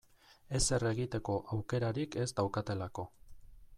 Ezer egiteko aukerarik ez daukatelako.